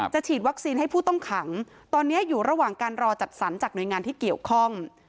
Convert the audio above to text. ฉีดวัคซีนให้ผู้ต้องขังตอนนี้อยู่ระหว่างการรอจัดสรรจากหน่วยงานที่เกี่ยวข้อง